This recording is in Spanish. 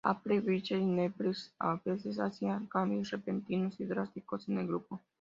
Applewhite y Nettles a veces hacían cambios repentinos y drásticos en el grupo.